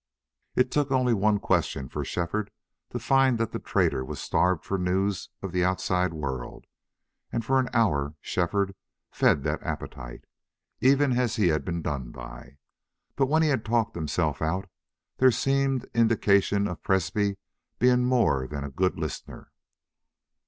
It took only one question for Shefford to find that the trader was starved for news of the outside world; and for an hour Shefford fed that appetite, even as he had been done by. But when he had talked himself out there seemed indication of Presbrey being more than a good listener.